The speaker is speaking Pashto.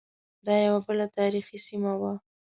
دا یوه بله تاریخی سیمه وه.